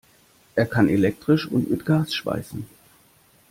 Er kann elektrisch und mit Gas schweißen.